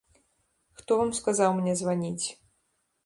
Хто вам сказаў мне званіць?